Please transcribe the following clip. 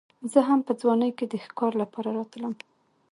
زه هم په ځوانۍ کې د ښکار لپاره راتلم.